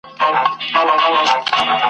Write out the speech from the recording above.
راته وساته ګلونه د نارنجو امېلونه !.